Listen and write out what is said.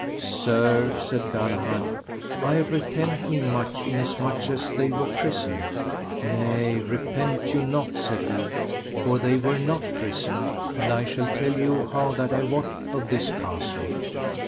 Sir, said Galahad, I repent me much, inasmuch as they were christened. Nay, repent you not, said he, for they were not christened, and I shall tell you how that I wot of this castle.